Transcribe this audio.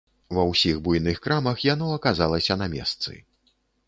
Ва ўсіх буйных крамах яно аказалася на месцы.